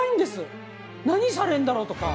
何されんだろう？とか。